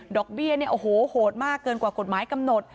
ดอกเบี้ยโหดมากเกินกว่ากฎหมายกำหนด